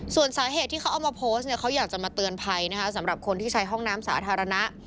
ส่วนสาเหตุที่เขาเอามาโพสต์เนี่ยเขาอยากจะมาเตือนภัยนะคะสำหรับคนที่ใช้ห้องน้ำสาธารณะ